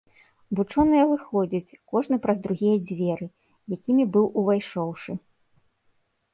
Вучоныя выходзяць, кожны праз другія дзверы, якімі быў увайшоўшы.